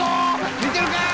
見てるか？